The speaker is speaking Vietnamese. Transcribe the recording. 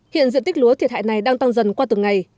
hiện diện tích lúa thiệt hại này đang tăng dần qua từng ngày